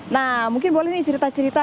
nah mungkin boleh nih cerita cerita